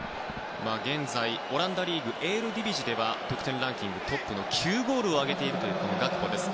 現在、オランダリーグエールディヴィジでは得点ランキングトップの９ゴールを挙げているガクポです。